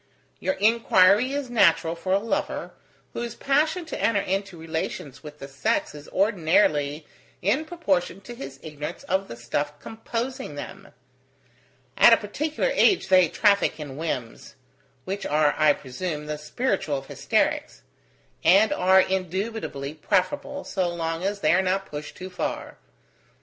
Your inquiry is natural for a lover, whose passion to enter into relations with the sex is ordinarily in proportion to his ignorance of the stuff composing them. At a particular age they traffic in whims: which are, I presume, the spiritual of hysterics; and are indubitably preferable, so long as they are not pushed too far.